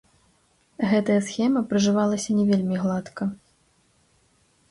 Гэтая схема прыжывалася не вельмі гладка.